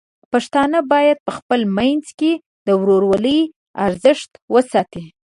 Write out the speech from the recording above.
پښتانه بايد په خپل منځ کې د ورورولۍ ارزښت وساتي.